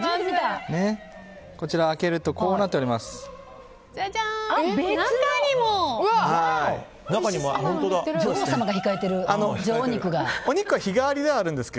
こちら開けるとこうなっております。